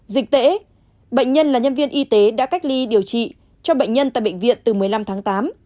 dịch tễ bệnh nhân là nhân viên y tế đã cách ly điều trị cho bệnh nhân tại bệnh viện từ một mươi năm tháng tám